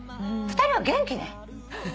２人は元気ね。